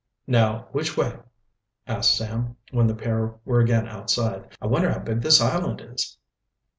"Now which way?" asked Sam, when the pair were again outside. "I wonder how big this island is?"